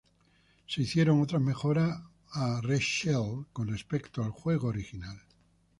Se hicieron otras mejoras a "Re-Shelled" con respecto al juego original.